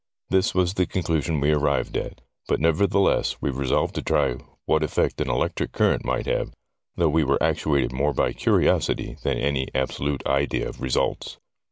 This was the conclusion we arrived at, but nevertheless we resolved to try what effect an electric current might have, though we were actuated more by curiosity than any absolute idea of results.